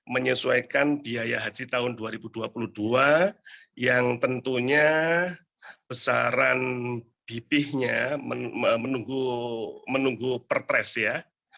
menyesuaikan biaya haji tahun dua ribu dua puluh dua yang tentunya besaran bp nya menunggu perpres ya